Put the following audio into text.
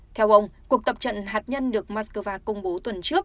theo ông cuộc tập trận hạt nhân được moscow công bố tuần trước